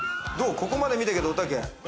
ここまで見たけれど、おたけ。